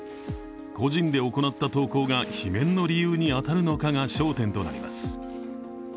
個人で行った投稿が罷免の理由に当たるのかが焦点となります。